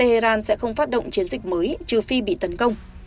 iran sẽ không phát động chiến dịch mới trừ phi bị tấn công